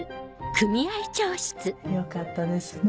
よかったですね。